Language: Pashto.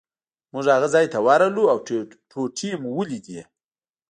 موږ هغه ځای ته ورغلو او ټوټې مو ولیدې.